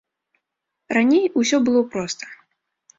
Раней усё было проста.